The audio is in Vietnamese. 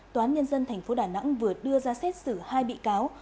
toán nhân dân tp đà nẵng vừa đưa ra xét xử hai bị cáo